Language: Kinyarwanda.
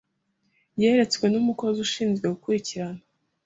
yeretswe n umukozi ushinzwe gukurikirana